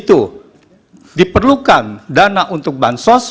itu diperlukan dana untuk bansos